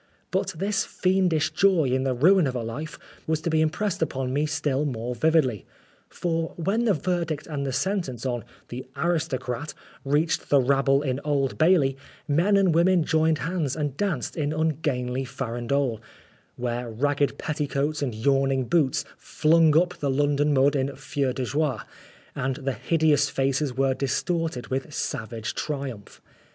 But this fiendish joy in the ruin of a life was to be impressed upon me still more vividly. For when the verdict and the sentence on ' the aristocrat ' reached the rabble in Old Bailey, men and women joined hands and danced an ungainly farandole, where ragged petticoats and yawning boots flung up the London mud in feu de joie, and the hideous faces were distorted with savage triumph.